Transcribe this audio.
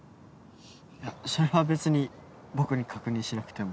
いやそれは別に僕に確認しなくても